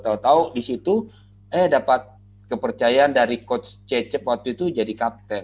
tau tau di situ eh dapat kepercayaan dari coach cecep waktu itu jadi kapten